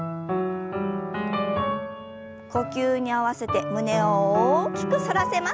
呼吸に合わせて胸を大きく反らせます。